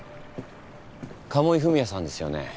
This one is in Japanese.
鴨井文哉さんですよね？